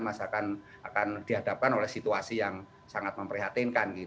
masih akan dihadapkan oleh situasi yang sangat memprihatinkan